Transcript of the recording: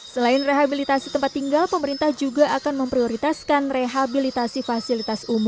selain rehabilitasi tempat tinggal pemerintah juga akan memprioritaskan rehabilitasi fasilitas